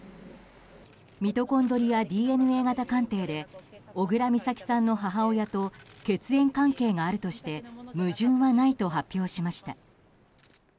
ミトコンドリアＤＮＡ型鑑定で小倉美咲さんの母親と血縁関係があるとして矛盾はないと発表しました。